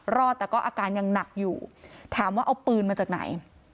รอดแต่ก็อาการยังหนักอยู่ถามว่าเอาปืนมาจากไหน